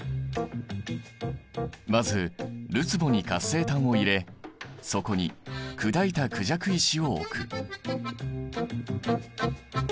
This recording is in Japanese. まずるつぼに活性炭を入れそこに砕いたクジャク石を置く。